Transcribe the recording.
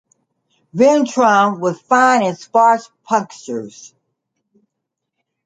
Ventrum with fine and sparse punctures.